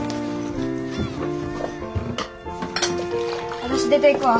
私出ていくわ。